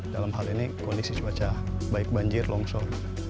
dalam hal ini kondisi cuaca baik banjir longsor